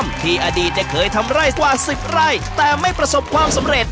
ในอดีตเคยทำร่ายกว่า๑๐รายแต่ไม่ประสบความสำเร็จ